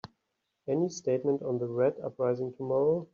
Any statement on the Red uprising tomorrow?